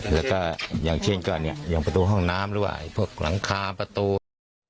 แล้วก็อย่างเช่นก็เนี่ยอย่างประตูห้องน้ำด้วยพวกหลังคาประตู